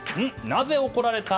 なぜ怒られた？